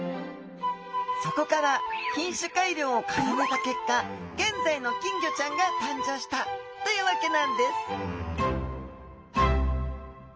そこから品種改良を重ねた結果現在の金魚ちゃんが誕生したというわけなんです。